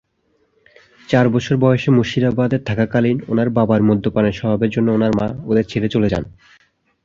চার বছর বয়সে মুর্শিদাবাদ-এ থাকাকালীন ওনার বাবার মদ্যপানের স্বভাবের জন্য ওনার মা ওদের ছেড়ে চলে যান।